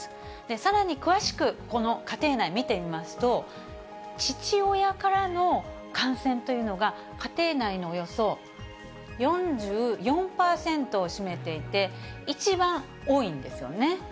さらに詳しく、ここの家庭内、見てみますと、父親からの感染というのが、家庭内のおよそ４４％を占めていて、一番多いんですよね。